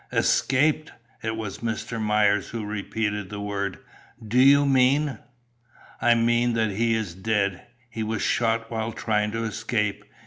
"Escaped!" It was Mr. Myers who repeated the word. "Do you mean ?" "I mean that he is dead. He was shot while trying to escape.